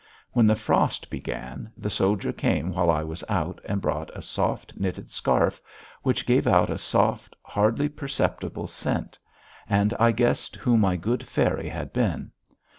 When the frost began the soldier came while I was out and brought a soft knitted scarf, which gave out a soft, hardly perceptible scent, and I guessed who my good fairy had been.